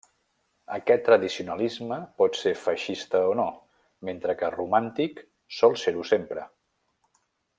Aquest tradicionalisme pot ser feixista o no, mentre que romàntic sol ser-ho sempre.